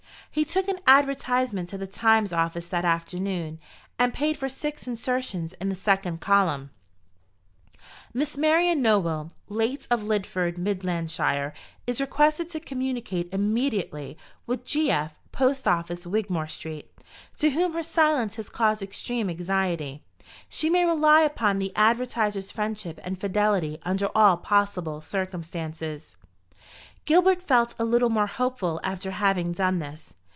He took an advertisement to the Times office that afternoon, and paid for six insertions in the second column: "Miss MARIAN NOWELL, late of Lidford, Midlandshire, is requested to communicate immediately with G.F., Post office, Wigmore street, to whom her silence has caused extreme anxiety. She may rely upon the advertiser's friendship and fidelity under all possible circumstances." Gilbert felt a little more hopeful after having done this.